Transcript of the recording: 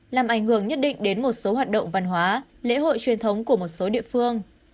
làm ảnh hưởng nhất định đến một số hoạt động văn hóa lễ hội truyền thống của một số địa phương